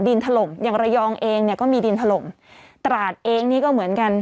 ดินถล่มอย่างเองเนี้ยก็มีดินถล่มตราดเองเนี้ยก็เหมือนกัน